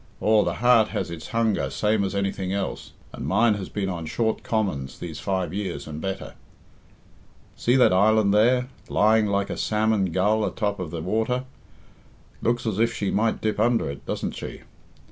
Aw, the heart has its hunger same as anything else, and mine has been on short commons these five years and better. See that island there, lying like a salmon gull atop of the water? Looks as if she might dip under it, doesn't she?